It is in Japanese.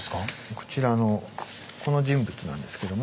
こちらのこの人物なんですけども。